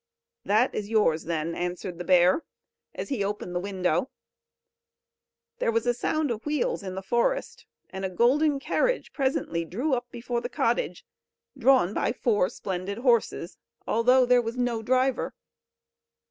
"That is yours then," answered the bear, as he opened the window. There was a sound of wheels in the forest, and a golden carriage presently drew up before the cottage drawn by four splendid horses, although there was no driver.